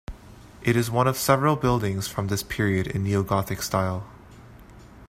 It is one of several buildings from this period in Neogothic style.